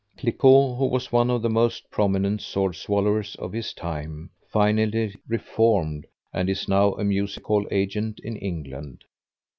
Cliquot, who was one of the most prominent sword swallowers of his time, finally "reformed" and is now a music hall agent in England.